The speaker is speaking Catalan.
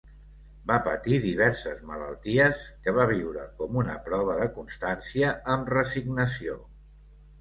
Va patir diverses malalties, que va viure com una prova de constància, amb resignació.